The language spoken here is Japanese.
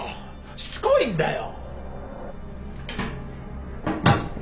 しつこいんだよ。